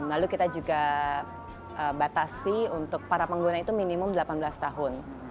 lalu kita juga batasi untuk para pengguna itu minimum delapan belas tahun